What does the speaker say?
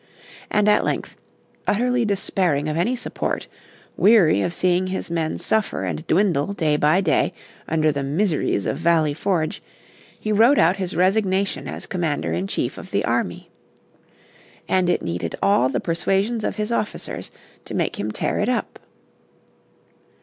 And at length, utterly despairing of any support, weary of seeing his men suffer and dwindle day by day under the miseries of Valley Forge, he wrote out his resignation as Commander in Chief of the army. And it needed all the persuasions of his officers to make him tear it up.